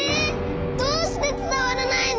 どうしてつたわらないの？